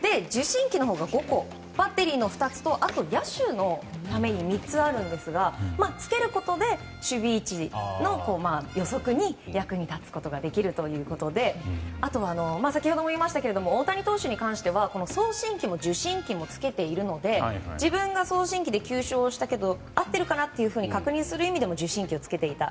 そして受信機は５個バッテリーの２つと、あと野手のために３つあるんですが着けることで守備位置の予測に役立つことができるということで大谷選手に関しては送信機も受信機もつけているので自分が送信機で球種を押したけど合っているかなというふうに確認する意味でも受信機を着けていた。